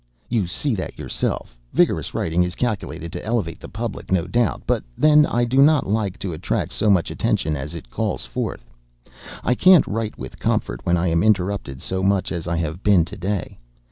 "You see that yourself. Vigorous writing is calculated to elevate the public, no doubt, but then I do not like to attract so much attention as it calls forth. I can't write with comfort when I am interrupted so much as I have been to day.